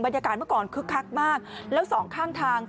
เมื่อก่อนคึกคักมากแล้วสองข้างทาง